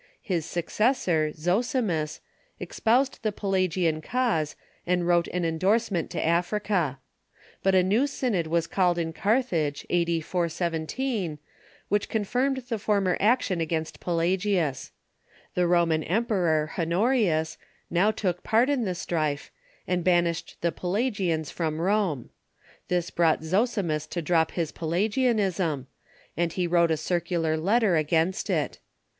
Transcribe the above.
His successor, Zosimus, espoused the Pelagian cause, and wrote an endorsement to Africa. But a new synod was called in Carthage (a.d. 417), which confirmed the former action against Pelagius. The Roman emperor, Ilonorius, now took part in the strife, and banished the Pelagians from Rome. This brought Zosimus to droj:) his Pelagianism, and he wrote a circular letter against it.